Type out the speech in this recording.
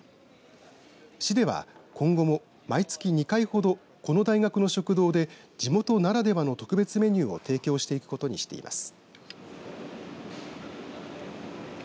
市では今後も毎月２回ほどこの大学の食堂で地元ならではの特別メニューを提供していくことにしています。